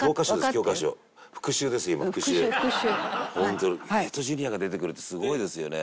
ホントにゲレーロ・ジュニアが出てくるってすごいですよね。